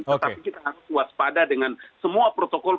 tetapi kita harus waspada dengan semua protokol